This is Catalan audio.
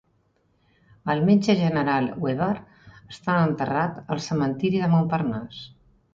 El metge general Weber està enterrat al cementiri de Montparnasse.